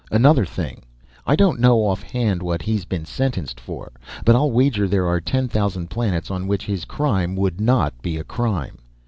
Another thing; I don't know offhand what he's been sentenced for, but I'll wager there are ten thousand planets on which his crime would not be a crime.